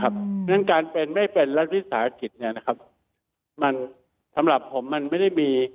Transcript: เพราะฉะนั้นการเป็นไม่เป็นรัฐวิสาหกิจเนี่ยนะครับมันสำหรับผมมันไม่ได้มี